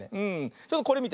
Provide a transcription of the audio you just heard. ちょっとこれみて。